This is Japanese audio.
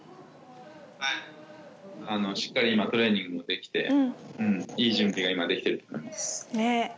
はい、しっかり今、トレーニングもできて、いい準備が今、できていると思います。